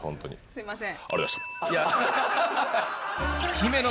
すいません。